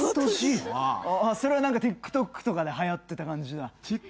それはＴｉｋＴｏｋとかではやってた感じだ？